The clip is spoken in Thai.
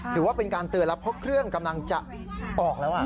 ถือว่าเป็นการเตือนแล้วเพราะเครื่องกำลังจะออกแล้ว